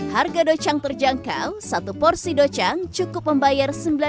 harga docang terjangkau satu porsi docang cukup membayar